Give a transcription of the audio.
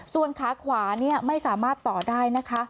ส่วนขาขวาไม่สามารถต่อได้นะคะ